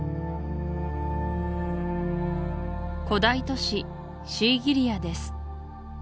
古代都市シーギリヤです